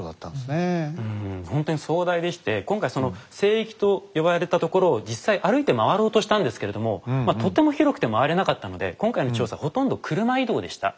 うんほんとに壮大でして今回その聖域と呼ばれたところを実際歩いて回ろうとしたんですけれどもまあとても広くて回れなかったので今回の調査ほとんど車移動でした。